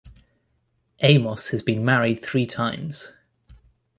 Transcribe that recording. Amos has been married three times.